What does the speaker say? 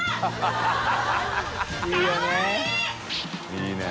いいね。